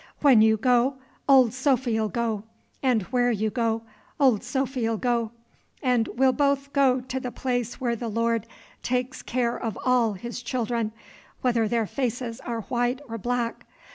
"When you go, Ol' Sophy'll go; 'n' where you go, Ol' Sophy'll go: 'n' we'll both go t' th' place where th' Lord takes care of all his children, whether their faces are white or black.